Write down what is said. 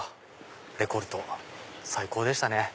レコルト最高でしたね！